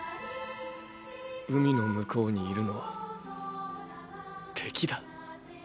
海の向こうにいるのは敵だ。